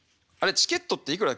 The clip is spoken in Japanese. チケットっていくらだっけ？